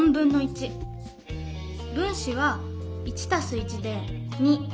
分子は１たす１で２。